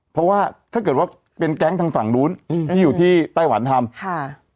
เพราะว่าถ้าเกิดว่าเป็นแก๊งทางฝั่งนู้นอืมที่อยู่ที่ไต้หวันทำค่ะ